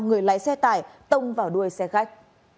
người lái xe tải tông vào đuôi xe gạch